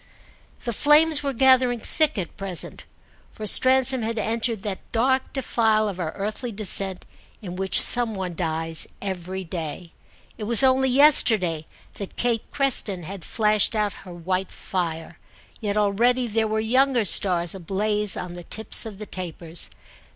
The flames were gathering thick at present, for Stransom had entered that dark defile of our earthly descent in which some one dies every day. It was only yesterday that Kate Creston had flashed out her white fire; yet already there were younger stars ablaze on the tips of the tapers.